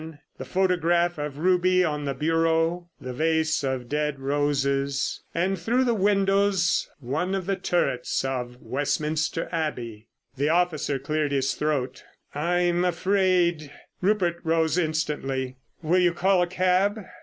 The photograph of Ruby on the bureau, the vase of dead roses, and through the windows one of the turrets of Westminster Abbey. The officer cleared his throat. "I'm afraid——" Rupert rose instantly. "Will you call a cab?"